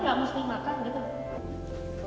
kenapa kamu yang nggak makan